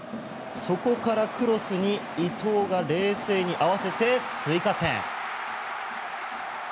そこからクロスに伊東が冷静に合わせて追加点。